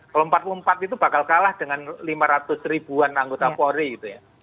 kalau empat puluh empat itu bakal kalah dengan lima ratus ribuan anggota polri gitu ya